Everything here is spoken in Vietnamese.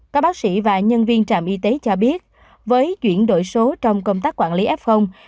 các bác sĩ và nhân viên trạm y tế cho biết với chuyển đổi số trong công tác quản lý f